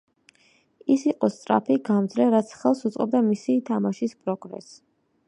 ის იყო სწრაფი, გამძლე, რაც ხელს უწყობდა მისი თამაშის პროგრესს.